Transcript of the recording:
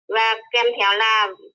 và kem theo là